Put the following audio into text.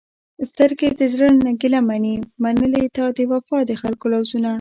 سترګې د زړه نه ګېله منې، منلې تا د بې وفاء خلکو لوظونه